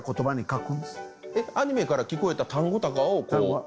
アニメから聞こえた単語とかをこうメモって。